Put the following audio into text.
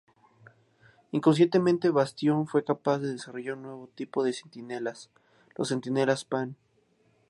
Inconscientemente, Bastión fue capaz de desarrollar un nuevo tipo de Centinelas, los Centinelas Prime.